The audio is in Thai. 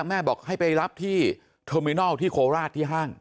แม่บอกให้ไปรับที่เทอร์มินอลที่โคราชที่ห้าง